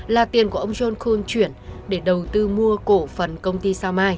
là tiền của ông john khon chuyển để đầu tư mua cổ phần công ty sao mai